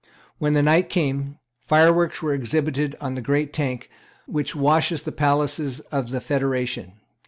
When the night came, fireworks were exhibited on the great tank which washes the walls of the Palace of the Federation.